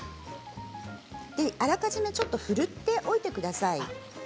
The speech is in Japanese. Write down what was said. あらかじめふるっておいてください。